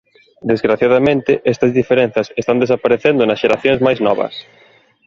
Desgraciadamente estas diferenzas están desaparecendo nas xeracións máis novas.